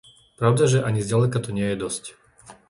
Pravdaže ani zďaleka to nie je dosť.